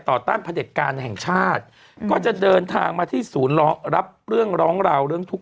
ต้านพระเด็จการแห่งชาติก็จะเดินทางมาที่ศูนย์รับเรื่องร้องราวเรื่องทุกข